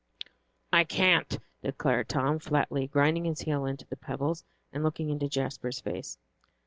"I can't!" declared Tom, flatly, grinding his heel into the pebbles, and looking into Jasper's face.